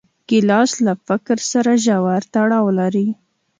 ګیلاس له فکر سره ژور تړاو لري.